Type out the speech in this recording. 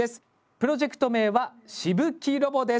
プロジェクト名は「飛沫ロボ」です。